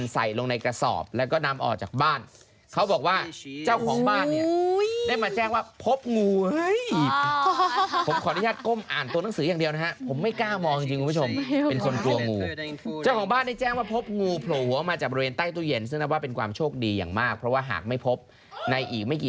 ใส่ลงในกระสอบแล้วก็นำออกจากบ้านเขาบอกว่าเจ้าของบ้านเนี่ยได้มาแจ้งว่าพบงูเฮ้ยผมขออนุญาตก้มอ่านตัวหนังสืออย่างเดียวนะฮะผมไม่กล้ามองจริงคุณผู้ชมเป็นคนกลัวงูเจ้าของบ้านได้แจ้งว่าพบงูโผล่หัวมาจากบริเวณใต้ตู้เย็นซึ่งนับว่าเป็นความโชคดีอย่างมากเพราะว่าหากไม่พบในอีกไม่กี่